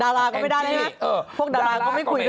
ดาราก็ไม่ได้นะพวกดาราก็ไม่คุยด้วยล่ะ